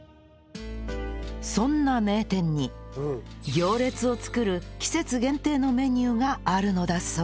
そんな名店に行列を作る季節限定のメニューがあるのだそう